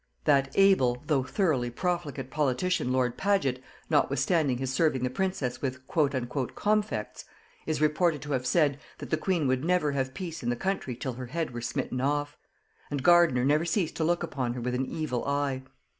That able, but thoroughly profligate politician lord Paget, notwithstanding his serving the princess with "comfects," is reported to have said, that the queen would never have peace in the country till her head were smitten off; and Gardiner never ceased to look upon her with an evil eye.